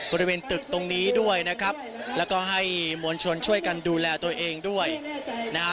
บริเวณตึกตรงนี้ด้วยนะครับแล้วก็ให้มวลชนช่วยกันดูแลตัวเองด้วยนะฮะ